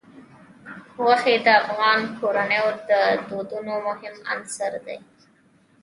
غوښې د افغان کورنیو د دودونو مهم عنصر دی.